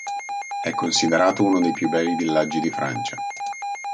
È considerato uno dei più bei villaggi di Francia.